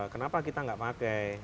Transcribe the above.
kenapa kita tidak pakai